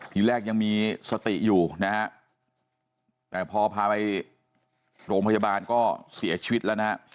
ทีแรกยังมีสติอยู่นะฮะแต่พอพาไปโรงพยาบาลก็เสียชีวิตแล้วนะฮะ